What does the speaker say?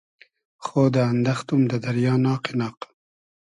خۉدۂ اندئختوم دۂ دئریا ناقی ناق